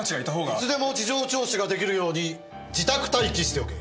いつでも事情聴取が出来るように自宅待機しておけ。